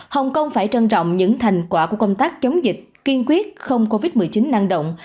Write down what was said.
hồng kông phải trân trọng những thành quả của công tác chống dịch kiên quyết không covid một mươi chín năng động